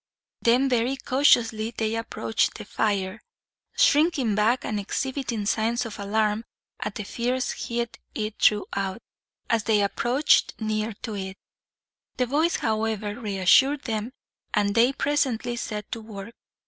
Then very cautiously they approached the fire, shrinking back and exhibiting signs of alarm at the fierce heat it threw out, as they approached near to it. The boys, however, reassured them, and they presently set to work.